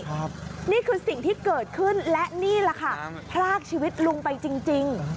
นี่คือสิ่งที่เกิดขึ้นและนี่แหละค่ะพรากชีวิตลุงไปจริง